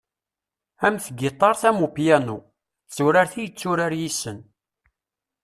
Am tgiṭart am upyanu, d turart i yetturar yes-sen.